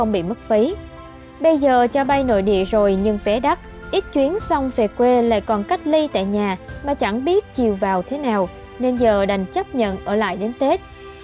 bây giờ cho bay nội địa rồi nhưng vé đắt ít chuyến xong về quê lại còn cách ly tại nhà mà chẳng biết chiều vào thế nào nên giờ đành chấp nhận ở lại đến tết